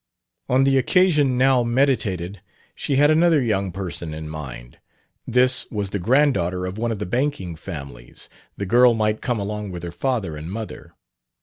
On the occasion now meditated she had another young person in mind. This was the granddaughter of one of the banking families; the girl might come along with her father and mother.